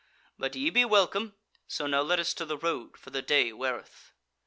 But ye be welcome; so now let us to the road, for the day weareth."